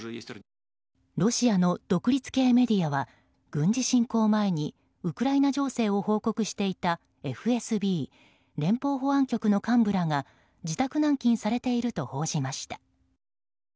ロシアの独立系メディアは軍事侵攻前にウクライナ情勢を報告していたＦＳＢ・連邦保安局の幹部らが自宅軟禁されていると報じました。